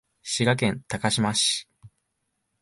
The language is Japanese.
滋賀県高島市